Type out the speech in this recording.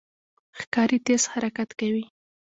ښکاري تېز حرکت کوي.